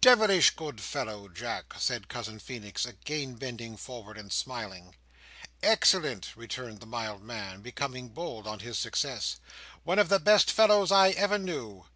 "Devilish good fellow, Jack!" said Cousin Feenix, again bending forward, and smiling. "Excellent," returned the mild man, becoming bold on his success. "One of the best fellows I ever knew."